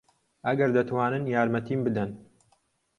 ئەگەر دەتوانن یارمەتیم بدەن.